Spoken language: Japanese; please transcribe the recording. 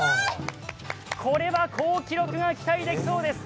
これは好記録が期待できそうです。